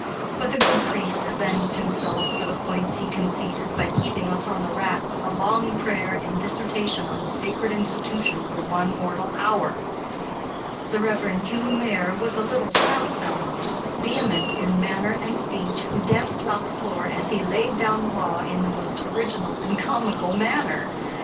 But the good priest avenged himself for the points he conceded, by keeping us on the rack with a long prayer and dissertation on the sacred institution for one mortal hour. The Rev. Hugh Maire was a little stout fellow, vehement in manner and speech, who danced about the floor, as he laid down the law, in the most original and comical manner.